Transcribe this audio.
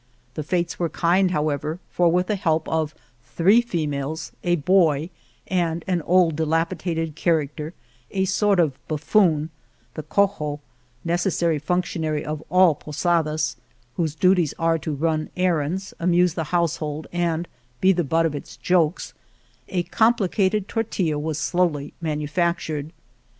The fates were kind, however, for with the help of three females, a boy, and an old dilapidated character, a sort of buffoon, the cojo, neces sary functionary of all posadas, whose duties are to run errands, amuse the household and be the butt of its jokes, a complicated tor tilla was slowly manufactured.